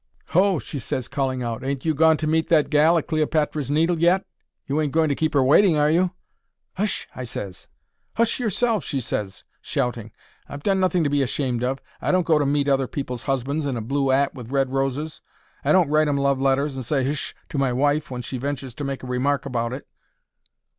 "Ho!" she ses, calling out. "Ain't you gone to meet that gal at Cleopatra's Needle yet? You ain't going to keep 'er waiting, are you?" "H'sh!" I ses. "H'sh! yourself," she ses, shouting. "I've done nothing to be ashamed of. I don't go to meet other people's husbands in a blue 'at with red roses. I don't write 'em love letters, and say 'H'sh!' to my wife when she ventures to make a remark about it.